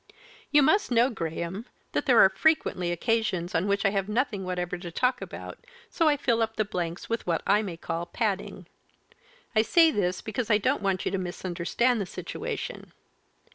You must know, Graham, that there are frequently occasions on which I have nothing whatever to talk about, so I fill up the blanks with what I may call padding. I say this, because I don't want you to misunderstand the situation.